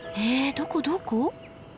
どこどこ？